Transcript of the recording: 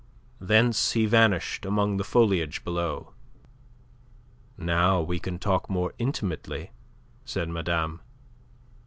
Thence he vanished among the foliage below. "Now we can talk more intimately," said madame.